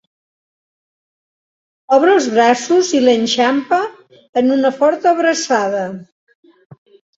Obre els braços i l'enxampa en una forta abraçada.